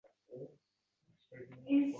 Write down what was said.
U tezroq yurmoqchi bo‘lardi.